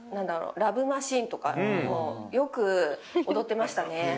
『ＬＯＶＥマシーン』とかをよく踊ってましたね。